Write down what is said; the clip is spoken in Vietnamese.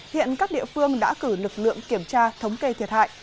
hiện các địa phương đã cử lực lượng kiểm tra thống kê thiệt hại